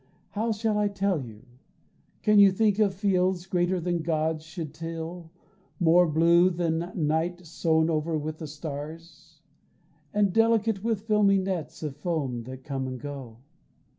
How shall I tell you? Can you think of fields Greater than Gods could till, more blue than night Sown over with the stars; and delicate With filmy nets of foam that come and go?